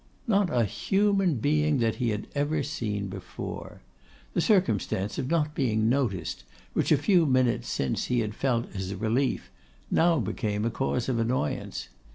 Not a human being that he had ever seen before! The circumstance of not being noticed, which a few minutes since he had felt as a relief, became now a cause of annoyance.